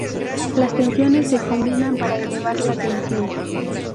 Las tensiones se combinan para elevar la tensión.